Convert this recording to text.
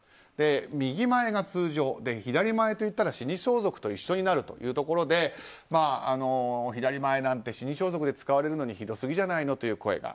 右前が通常左前と言ったら死装束と一緒になるというところで左前なんて死装束で使われるのにひどすぎじゃないのという声が。